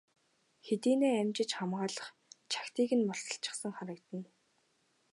Хэдийнээ амжиж хамгаалах чагтыг нь мулталчихсан харагдана.